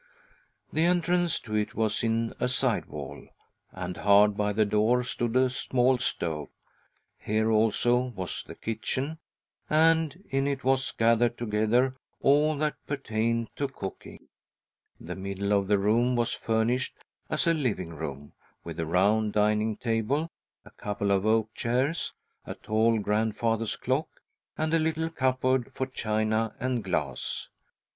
The entrance to it was in a side wall, and hard by the door stood a small stove. Here also was the kitchen, and in it was gathered together all that pertained to cooking. The middle of the room was furnished as a living room, with a round dining table, ; i ■ 66 THY SOUL SHALL BEAR WITNESS ! a couple of oak chairs, a tall grandfather's clock, and . a little cupboard for china and glass.